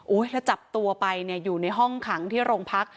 ถ้าจับตัวไปเนี่ยอยู่ในห้องขังที่โรงพัก